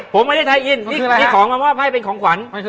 ผมไม่ได้ไทยอินนี่ของมาว่าไพ่เป็นของขวัญ